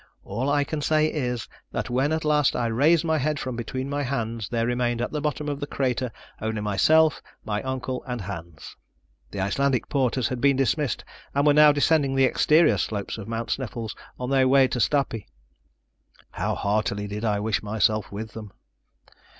All I can say is, that when at last I raised my head from between my hands, there remained at the bottom of the crater only myself, my uncle and Hans. The Icelandic porters had been dismissed and were now descending the exterior slopes of Mount Sneffels, on their way to Stapi. How heartily did I wish myself with them!